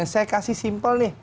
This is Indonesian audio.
saya kasih simpel nih